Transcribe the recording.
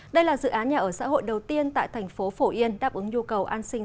đây là dự án nhà ở xã hội đầu tiên tại thành phố phổ yên đáp ứng nhu cầu an sinh